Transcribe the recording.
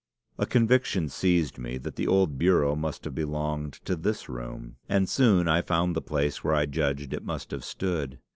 "A conviction seized me that the old bureau must have belonged to this room, and I soon found the place where I judged it must have stood.